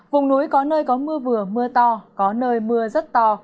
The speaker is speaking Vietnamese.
vùng núi có nơi có mưa vừa mưa to có nơi mưa rất to